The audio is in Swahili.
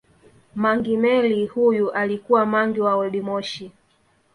Mangi Meli huyu alikuwa mangi wa waoldmoshi